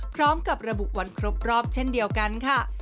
พร้อมกับระบุวันครบรอบเช่นเดียวกันค่ะ